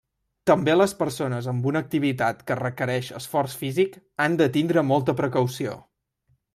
També les persones amb una activitat que requerix esforç físic han de tindre molta precaució.